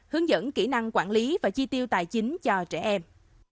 hướng dẫn kỹ năng quản lý và chi tiêu tài chính cho trẻ em